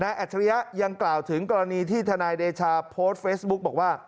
อัจฉริยะยังกล่าวถึงกรณีที่ทนายเดชาโพสต์เฟซบุ๊กบอกว่า